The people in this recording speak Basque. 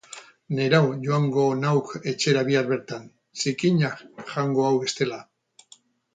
Nerau joango nauk etxera bihar bertan, zikinak jango hau bestela.